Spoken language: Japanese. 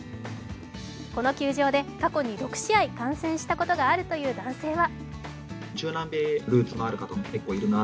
この球場で過去に６試合観戦したことがあるという男性は。